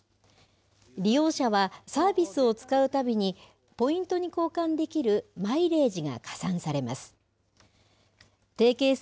利用者はサービスを使うたびに、ポイントに交換できるマイレージが加算されます。